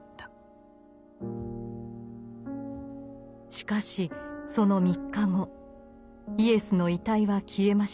しかしその３日後イエスの遺体は消えました。